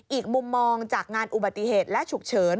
อีกมุมมองจากงานอุบัติเหตุและฉุกเฉิน